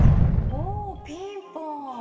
おピンポン！